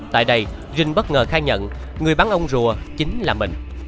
tại đây dinh bất ngờ khai nhận người bắn ông rùa chính là mình